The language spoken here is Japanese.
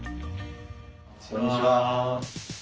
こんにちは。